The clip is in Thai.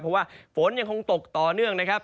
เพราะว่าฝนยังคงตกต่อเนื่องนะครับ